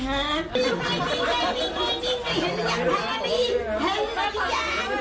นี่ไง